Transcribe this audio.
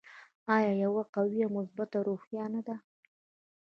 آیا یوه قوي او مثبته روحیه نه ده؟